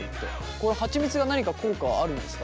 これハチミツが何か効果あるんですか？